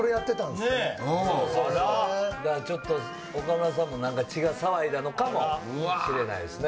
だからちょっと、岡村さんもなんか血が騒いだのかもしれないですね。